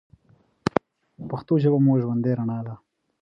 پښتو ژبه مو د ژوند رڼا ده.